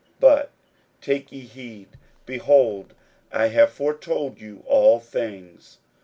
41:013:023 But take ye heed: behold, I have foretold you all things.